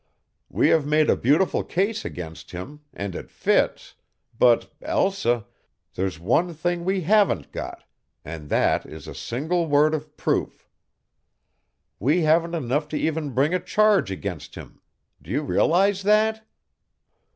We have made a beautiful case against him and it fits, but, Elsa, there's one thing we haven't got, and that is a single word of proof! We haven't enough to even bring a charge against him. Do you realize that?"